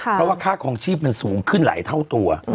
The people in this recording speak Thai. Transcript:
เพราะว่าค่าคลองชีพมันสูงขึ้นหลายเท่าตัว